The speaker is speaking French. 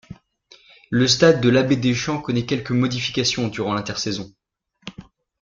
Le stade de l'Abbé-Deschamps connaît quelques modifications durant l'intersaison.